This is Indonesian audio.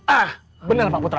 ah bener pak putra